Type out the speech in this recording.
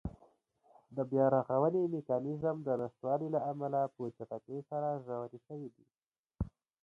د بیا رغونې میکانېزم د نشتوالي له امله په چټکۍ سره ژورې شوې دي.